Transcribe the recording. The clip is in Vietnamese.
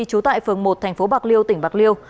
trú tại phường một thành phố bạc liêu tỉnh bạc liêu